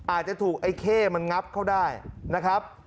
อาจจะถูกไอ้เข้มันงับเขาได้นะครับ